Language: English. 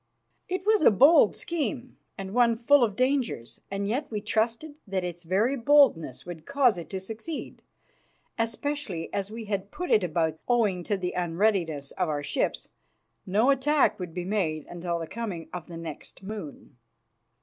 It was a bold scheme and one full of dangers, yet we trusted that its very boldness would cause it to succeed, especially as we had put it about that, owing to the unreadiness of our ships, no attack would be made until the coming of the next moon.